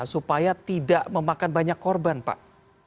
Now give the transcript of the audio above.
supaya tidak memakan banyak korban pak